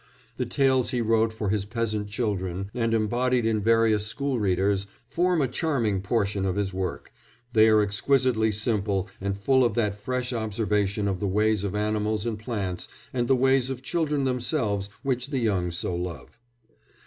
The tales he wrote for his peasant children, and embodied in various school readers, form a charming portion of his work; they are exquisitely simple, and full of that fresh observation of the ways of animals and plants and the ways of children themselves which the young so love.